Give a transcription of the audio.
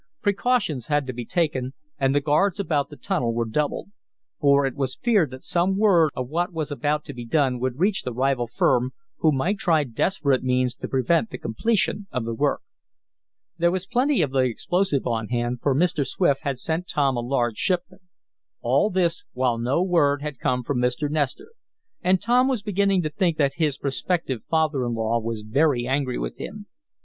Precautions had to be taken, and the guards about the tunnel were doubled. For it was feared that some word of what was about to be done would reach the rival firm, who might try desperate means to prevent the completion of the work. There was plenty of the explosive on hand, for Mr. Swift had sent Tom a large shipment. All this while no word had come from Mr. Nestor, and Tom was beginning to think that his prospective father in law was very angry with him.